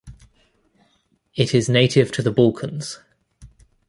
It is native to the Balkans.